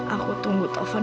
aku tunggu tombolnya